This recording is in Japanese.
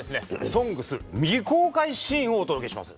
「ＳＯＮＧＳ」未公開シーンをお届けします。